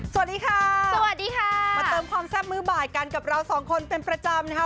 สวัสดีค่ะสวัสดีค่ะมาเติมความแซ่บมือบ่ายกันกับเราสองคนเป็นประจำนะคะ